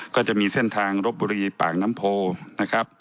ก็จะมีเส้นทางรบบุรีปากน้ำโพนะครับ